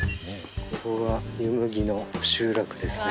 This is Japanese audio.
ここが湯向の集落ですね。